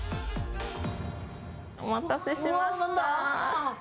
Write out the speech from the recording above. お待たせしました。